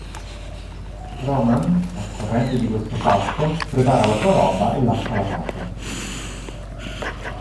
Roman, al corrente di questo fatto, prepara la sua roba e lascia la casa.